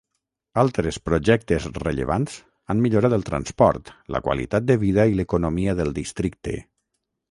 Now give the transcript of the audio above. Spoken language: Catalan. Altres projectes rellevants han millorat el transport, la qualitat de vida i l'economia del districte.